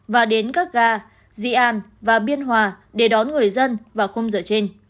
và đến các ga di an và biên hòa để đón người dân và khung dở trên